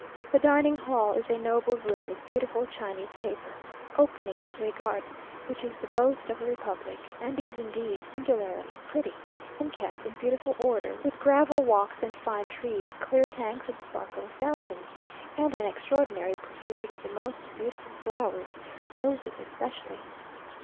The dining hall is a noble room, with beautiful Chinese paper, opening into a garden, which is the boast of the republic, and is indeed singularly pretty, and kept in beautiful order, with gravel walks and fine trees, clear tanks and sparkling fountains, and an extraordinary profusion of the most beautiful flowers, roses especially.